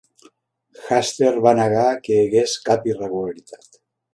Hastert va negar que hi hagués cap irregularitat.